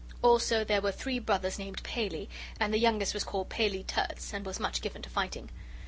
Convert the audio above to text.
Also there were three brothers named Paley, and the youngest was called Paley Terts, and was much given to fighting.